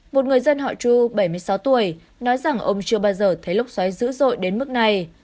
một người dân họ tru bảy mươi sáu tuổi nói rằng ông chưa bao giờ thấy lốc xoáy dữ dội đến mức này